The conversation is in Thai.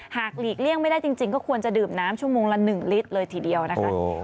หลีกเลี่ยงไม่ได้จริงก็ควรจะดื่มน้ำชั่วโมงละ๑ลิตรเลยทีเดียวนะคะ